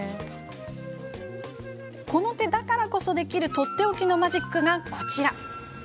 この手だからこそできるとっておきのマジックがこちら。